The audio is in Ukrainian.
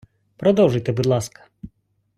продовжуйте, будь ласка!